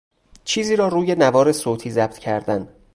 چیزی را روی نوار صوتی ضبط کردن